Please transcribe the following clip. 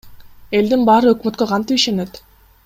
Элдин баары өкмөткө кантип ишенет?